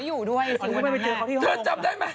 หรือไม่จำได้ไหม